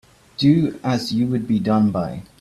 Do as you would be done by.